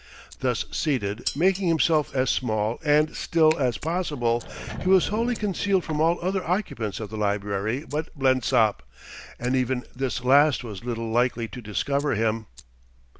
Thus seated, making himself as small and still as possible, he was wholly concealed from all other occupants of the library but Blensop; and even this last was little likely to discover him.